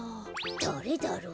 だれだろう？